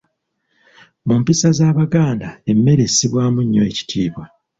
Mu mpisa z'Abaganda emmere essibwamu nnyo ekitiibwa.